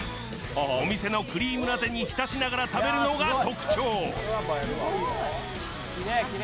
お店のクリームラテに浸しながら食べるのが特徴。